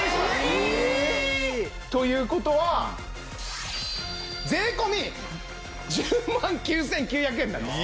ええ！？という事は税込１０万９９００円になります。